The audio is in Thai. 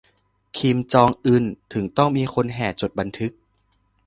'คิมจองอึน' ถึงต้องมีคนแห่จดบันทึก